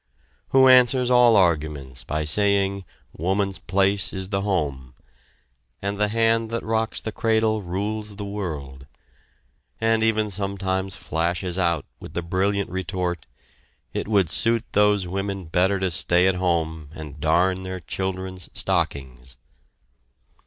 Who answers all arguments by saying, "Woman's place is the home" and, "The hand that rocks the cradle rules the world," and even sometimes flashes out with the brilliant retort, "It would suit those women better to stay at home and darn their children's stockings."